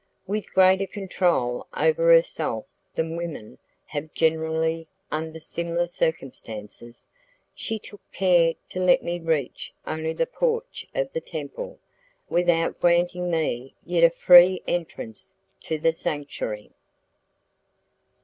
With greater control over herself than women have generally under similar circumstances, she took care to let me reach only the porch of the temple, without granting me yet a free entrance to the sanctuary.